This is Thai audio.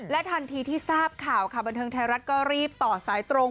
ทันทีที่ทราบข่าวค่ะบันเทิงไทยรัฐก็รีบต่อสายตรง